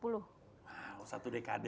wow satu dekade